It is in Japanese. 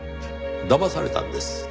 だまされたんです。